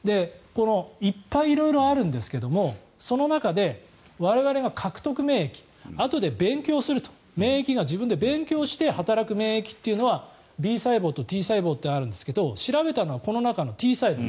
いっぱい色々あるんですけどもその中で我々が獲得免疫あとで勉強すると免疫が自分で勉強して働く免疫というのはＢ細胞とＴ細胞ってあるんですが調べたのはこの中のＴ細胞。